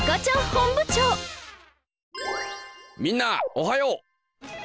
みんなおはよう！